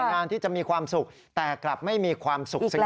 งานที่จะมีความสุขแต่กลับไม่มีความสุขสัก